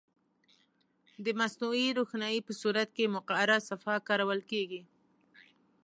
د مصنوعي روښنایي په صورت کې مقعره صفحه کارول کیږي.